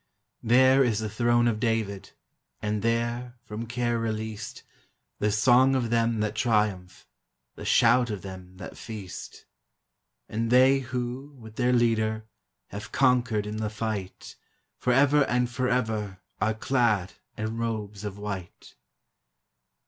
There is the Throne of David, And there, from care released, 422 THE HIGHER LIFE. The song of them that triumph, The shout of them that feast; And they who, with their Leader, Have conquered in the fight, Forever and forever Are clad in robes of white!